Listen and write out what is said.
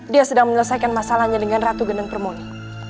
dia sedang menyelesaikan masalahnya dengan ratu geneng permoni